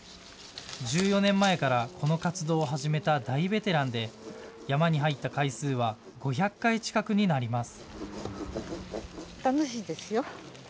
１４年前からこの活動を始めた大ベテランで山に入った回数は５００回近くになります。